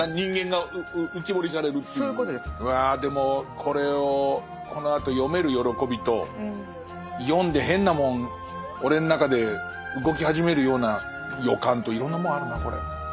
うわでもこれをこのあと読める喜びと読んで変なもん俺の中で動き始めるような予感といろんなもんあるなこれ。